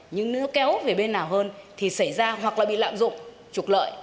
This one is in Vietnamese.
nhưng nếu kéo về bên nào hơn thì xảy ra hoặc là bị lạm dụng trục lợi